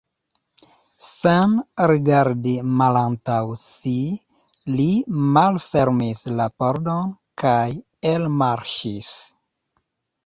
Sen rigardi malantaŭ si, li malfermis la pordon kaj elmarŝis.